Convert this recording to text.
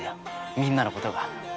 みんなのことが。